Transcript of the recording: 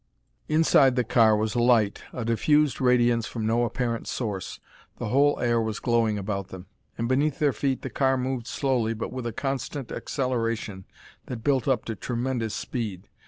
Inside the car was light, a diffused radiance from no apparent source, the whole air was glowing about them. And beneath their feet the car moved slowly but with a constant acceleration that built up to tremendous speed.